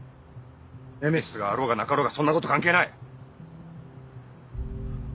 ネメシスがあろうがなかろうがそんなこと関係ない。